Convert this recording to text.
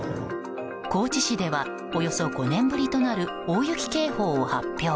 高知市ではおよそ５年ぶりとなる大雪警報を発表。